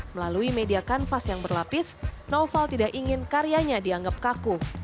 melalui media kanvas yang berlapis naufal tidak ingin karyanya dianggap kaku